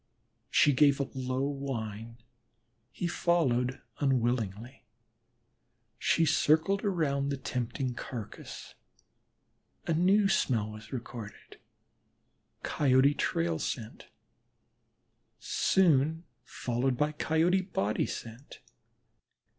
She gave a low whine; he followed unwillingly. She circled around the tempting carcass; a new smell was recorded Coyote trail scent, soon followed by Coyote body scent.